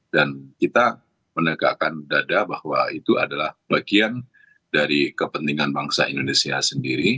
dan kita menegakkan dada bahwa itu adalah bagian dari kepentingan bangsa indonesia sendiri